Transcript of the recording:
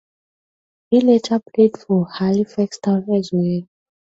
He later played for Halifax Town as well.